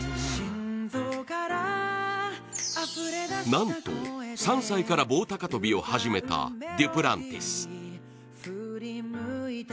なんと３歳から棒高跳を始めたデュプランティス。